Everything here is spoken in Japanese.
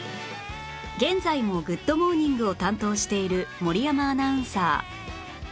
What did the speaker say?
現在も『グッド！モーニング』を担当している森山アナウンサー